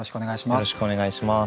よろしくお願いします。